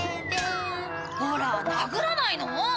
ほら殴らないの？